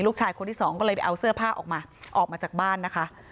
ลูกชายคนที่สองก็เลยไปเอาเสื้อผ้าออกมาออกมาจากบ้านนะคะ